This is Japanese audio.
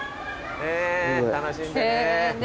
楽しんでね。